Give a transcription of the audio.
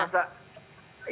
pasti ada dong